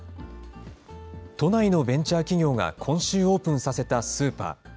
都内のベンチャー企業が今週オープンさせたスーパー。